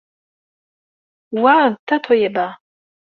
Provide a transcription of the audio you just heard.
Wa d Tatoeba.